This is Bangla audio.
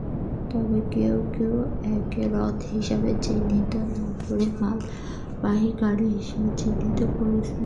তবে কেউ কেউ একে রথ হিসেবে চিহ্নিত না করে, মালবাহী গাড়ি হিসেবে চিহ্নিত করেছেন।